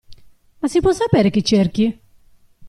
Ma si può sapere chi cerchi?